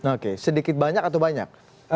oke sedikit banyak atau banyak